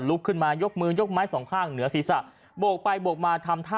ลุกขึ้นมายกมือยกไม้สองข้างเหนือศีรษะโบกไปโบกมาทำท่า